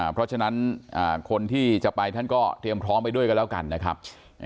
เพราะฉะนั้นคนที่จะไปท่านก็เตรียมพร้อมไปด้วยกันแล้วกันนะครับ